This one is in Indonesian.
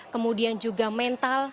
kemudian juga mental